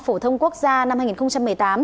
phổ thông quốc gia năm hai nghìn một mươi tám